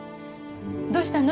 どうしたの？